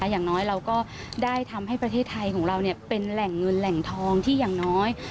อย่างน้อยเราก็ได้ทำให้ประเทศไทยของเราเป็นแหล่งเงินแหล่งทองที่อย่างน้อย